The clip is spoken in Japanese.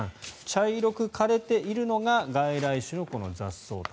茶色く枯れているのがこの外来種の雑草と。